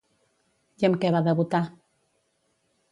I amb què va debutar?